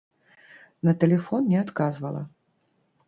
На тэлефон не адказвала.